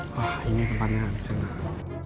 wah ini tempatnya kisah anak